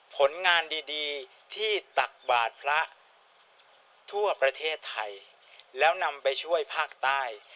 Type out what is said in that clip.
ผลงานดีดีที่ตักบาทพระทั่วประเทศไทยแล้วนำไปช่วยภาคใต้